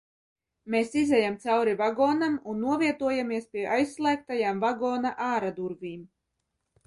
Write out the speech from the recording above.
Mēs izejam cauri vagonam un novietojamies pie aizslēgtajām vagona āra durvīm.